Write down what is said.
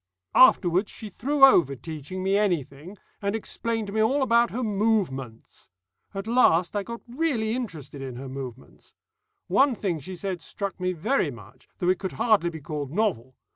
"Afterwards she threw over teaching me anything, and explained to me all about her Movements. At least, I got really interested in her Movements. One thing she said struck me very much, though it could hardly be called novel.